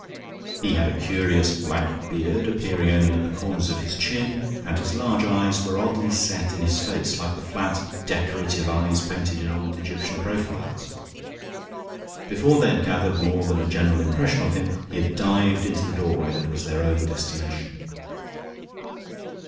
He had a curious black beard appearing only at the corners of his chin, and his large eyes were oddly set in his face like the flat decorative eyes painted in old Egyptian profiles. Before they had gathered more than a general impression of him, he had dived into the doorway that was their own destination.